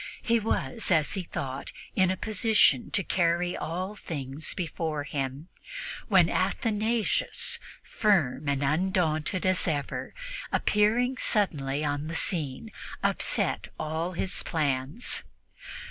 He was, as he thought, in a position to carry all things before him, when Athanasius, firm and undaunted as ever, appearing suddenly on the scene, upset all his plans.